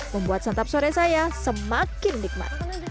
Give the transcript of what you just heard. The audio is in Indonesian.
membuat santap sore saya semakin nikmat